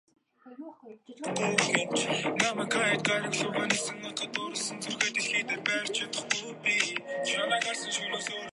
Испанийн эрүүгийн хуульд зааснаар хоёр жил хүртэлх ялыг мөнгөн төлбөрөөр тооцон төлж болдог аж.